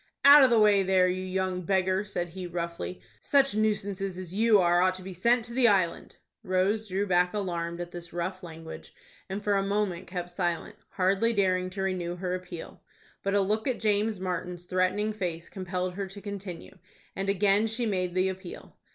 "Out of the way there, you young beggar!" said he, roughly. "Such nuisances as you are ought to be sent to the Island." Rose drew back alarmed at this rough language, and for a moment kept silent, hardly daring to renew her appeal. But a look at James Martin's threatening face compelled her to continue, and again she made the appeal.